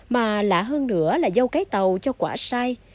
mà lạ hơn nữa là dâu cái tàu cho quả sai